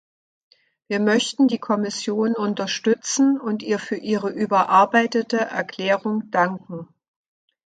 Wir möchten die Kommission unterstützen und ihr für ihre überarbeitete Erklärung danken.